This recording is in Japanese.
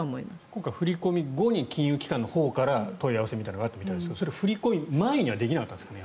今回、振り込み後に金融機関から問い合わせがあったということですがそれ、振り込み前にはできなかったんですかね。